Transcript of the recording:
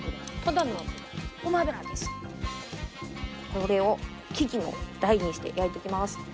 これを生地の台にして焼いていきます。